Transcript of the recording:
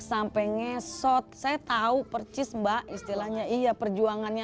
sampai ngesot saya tahu percis mbak istilahnya iya perjuangannya